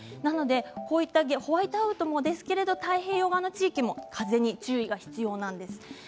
こういったホワイトアウトもですけれども太平洋側の地域も風に注意が必要なんです。